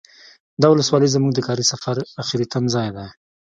دا ولسوالي زمونږ د کاري سفر اخري تمځای و.